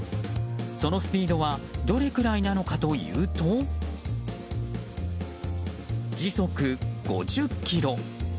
そのスピードはどれくらいなのかというと時速５０キロ。